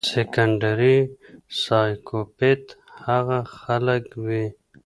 سيکنډري سائکوپېت هاغه خلک وي